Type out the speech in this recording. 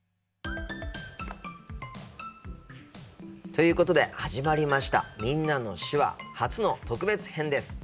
ということで始まりました「みんなの手話」初の特別編です。